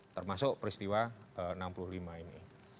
termasuk peristiwa enam puluh lima ini